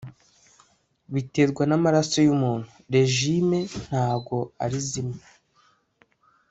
Biterwa namaraso yumuntu rejime ntago ari zimwe